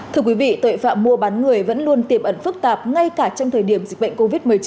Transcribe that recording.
thưa quý vị tội phạm mua bán người vẫn luôn tiềm ẩn phức tạp ngay cả trong thời điểm dịch bệnh covid một mươi chín